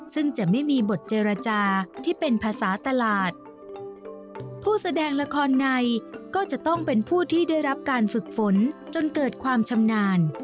ซึ่งจะไม่มีบทเจรจาที่เป็นภาษาตลาดผู้แสดงละครในก็จะต้องเป็นผู้ที่ได้รับการฝึกฝนจนเกิดความชำนาญ